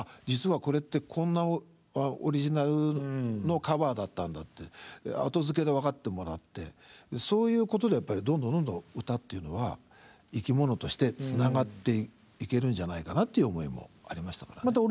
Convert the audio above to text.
実はこれってこんなオリジナルのカバーだったんだって後付けで分かってもらってそういうことでどんどんどんどん歌っていうのは生き物としてつながっていけるんじゃないかなっていう思いもありましたからね。